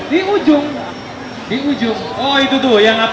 di ujung di ujung oh itu tuh yang apa